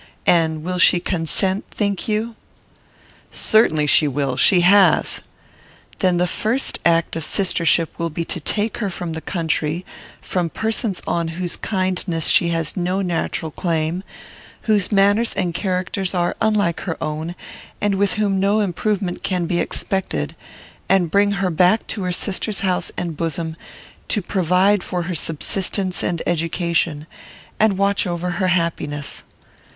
And will she consent, think you?" "Certainly she will; she has." "Then the first act of sistership will be to take her from the country; from persons on whose kindness she has no natural claim, whose manners and characters are unlike her own, and with whom no improvement can be expected, and bring her back to her sister's house and bosom, to provide for her subsistence and education, and watch over her happiness.